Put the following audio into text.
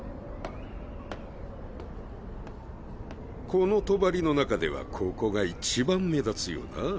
この帳の中ではここがいちばん目立つよな？